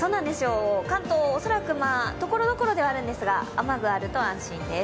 関東、恐らくところどころではあるんですが、雨具があると安心です。